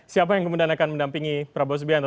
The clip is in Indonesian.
siapa yang kemudian akan mendampingi prabowo subianto